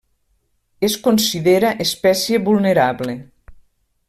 Es considera espècie vulnerable.